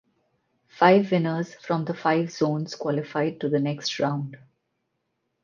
Five winners from the five zones qualified to the next round.